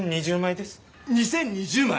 ２０２０枚？